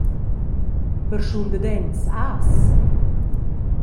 Barschun da dents has?